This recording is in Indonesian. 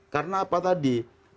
karena apa tadi